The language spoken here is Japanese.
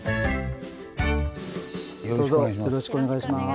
よろしくお願いします。